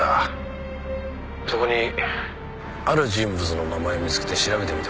そこにある人物の名前を見つけて調べてみた。